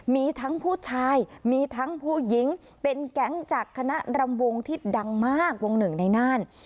มีทั้งผู้ชายมีทั้งผู้หญิงเป็นแก๊งจากคณะรำวงที่ดังมากวงหนึ่งในน่าน